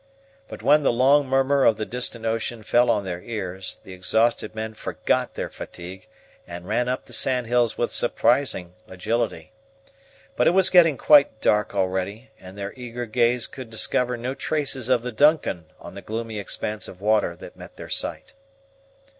But when the long murmur of the distant ocean fell on their ears, the exhausted men forgot their fatigue, and ran up the sandhills with surprising agility. But it was getting quite dark already, and their eager gaze could discover no traces of the DUNCAN on the gloomy expanse of water that met their sight.